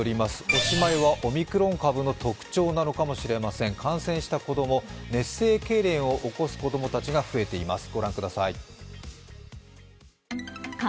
おしまいは、オミクロン株の特徴なのかもしれません、感染した子供、熱性けいれんを起こす子供たちが増えています。